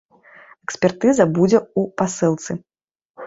Экспертыза будзе ў пасылцы.